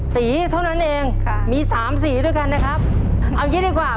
สีเท่านั้นเองมี๓สีด้วยกันนะครับเอาอย่างนี้ดีกว่า